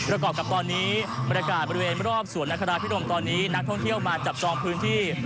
กรอบกับตอนนี้บรรยากาศบริเวณรอบสวนนคราพิรมตอนนี้นักท่องเที่ยวมาจับจองพื้นที่